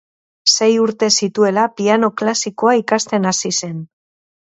Sei urte zituela piano klasikoa ikasten hasi zen.